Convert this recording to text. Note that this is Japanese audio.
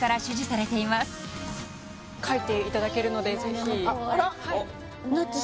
書いていただけるのでぜひええあら